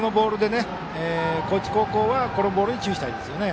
高知高校はこのボールに注意したいですね。